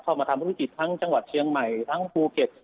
มาทำธุรกิจทั้งจังหวัดเชียงใหม่ทั้งภูเก็ต